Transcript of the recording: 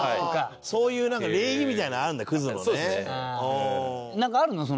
そういうなんか礼儀みたいなのあるんだクズのね。